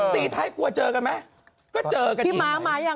ตีไทน์กลัวเจอกันขนาดไหม